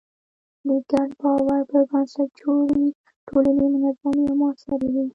د ګډ باور پر بنسټ جوړې ټولنې منظمې او موثرې وي.